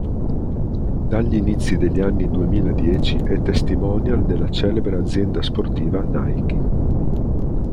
Dagli inizi degli anni duemiladieci è testimonial della celebre azienda sportiva Nike.